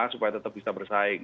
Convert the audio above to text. supaya tetap bisa bersaing